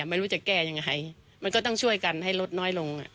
ไม่รู้จะแก้ยังไงมันก็ต้องช่วยกันให้ลดน้อยลง